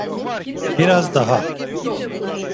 Biraz daha.